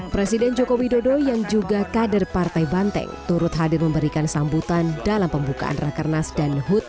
presiden joko widodo yang juga kader partai banteng turut hadir memberikan sambutan dalam pembukaan rakernas dan hud